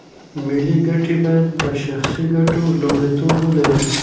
ملي ګټې باید په شخصي ګټو لومړیتوب ولري.